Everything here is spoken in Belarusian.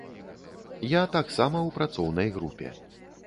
Я таксама ў працоўнай групе.